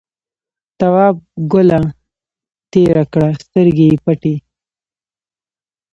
تواب گوله تېره کړه سترګې یې پټې.